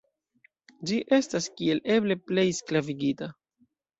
Ĝi estas kiel eble plej sklavigita.